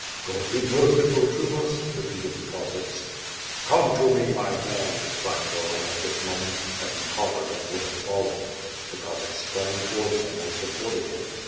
"God be merciful to us," repeated the Cossacks. "Come to me, my men," cried Bohun at this moment, as he tottered and would have fallen. The ( ospacks sprnn^ towards him and supported him.